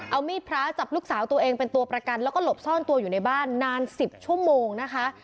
เอามีดพระจับลูกสาวตัวเองเป็นตัวประกันแล้วก็หลบซ่อนตัวอยู่ในบ้านนาน๑๐ชั่วโมงนะคะ